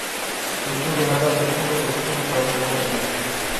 د سولې هدف د ټولو د غوښتنو پوره کول دي.